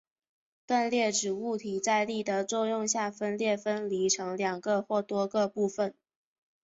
断裂指物体在力的作用下开裂分离成两个或多个部分。